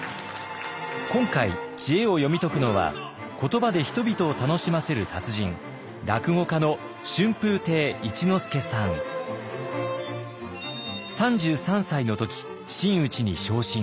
今回知恵を読み解くのは言葉で人々を楽しませる達人３３歳の時真打ちに昇進。